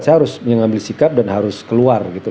saya harus mengambil sikap dan harus keluar gitu